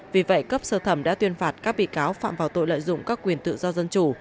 vì vậy cấp sơ thẩm đã tuyên phạt các bị cáo phạm vào tội lợi dụng các quyền tự do dân chủ